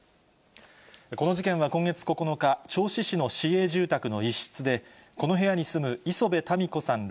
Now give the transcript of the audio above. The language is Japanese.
この事件は今月９日、銚子市の市営住宅の一室で、この部屋に住む礒辺たみ子さん